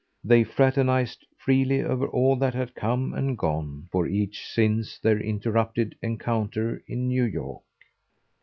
they fraternised freely over all that had come and gone for each since their interrupted encounter in New York.